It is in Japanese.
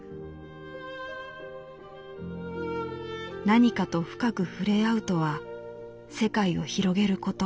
「何かと深く触れ合うとは世界を広げること。